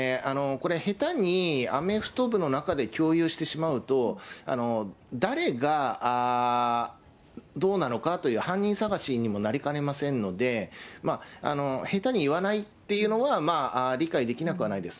これ、下手にアメフト部の中で共有してしまうと、誰がどうなのかという犯人探しにもなりかねませんので、下手に言わないっていうのは、理解できなくはないです。